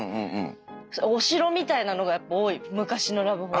お城みたいなのがやっぱ多い昔のラブホは。